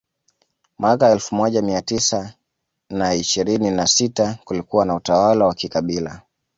Mwaka elfu moja mia tisa na ishirini na sita kulikuwa na utawala wa kikabila